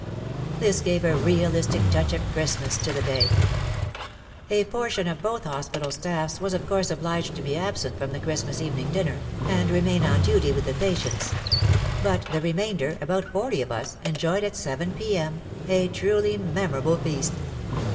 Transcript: This gave a realistic touch of Xmas to the day. A portion of both hospital staffs was of course obliged to be absent from the Xmas evening dinner, and remain on duty with the patients ; but the remainder, about forty of us, enjoyed at 7 p.m. a truly memorable feast.